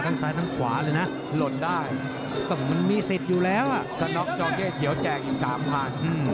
แต่ต้องดูเกมบนวิธีดีกว่า